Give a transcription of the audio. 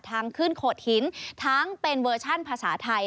ทางขึ้นโขดหินทั้งเป็นเวอร์ชั่นภาษาไทย